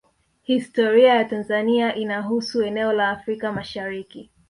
Historia ya Tanzania inahusu eneo la Afrika Mashariki